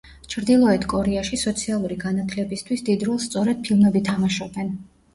ჩრდილოეთ კორეაში სოციალური განათლებისთვის დიდ როლს სწორედ ფილმები თამაშობენ.